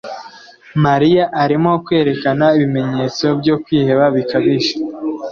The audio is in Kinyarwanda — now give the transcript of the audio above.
Mariya arimo kwerekana ibimenyetso byo kwiheba bikabije.